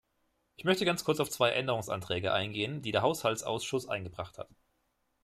Ich möchte ganz kurz auf zwei Änderungsanträge eingehen, die der Haushaltsausschuss eingebracht hat.